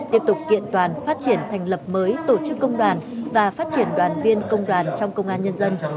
tiếp tục kiện toàn phát triển thành lập mới tổ chức công đoàn và phát triển đoàn viên công đoàn trong công an nhân dân